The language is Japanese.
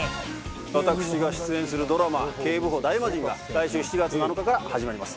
私が出演するドラマ『警部補ダイマジン』が来週７月７日から始まります。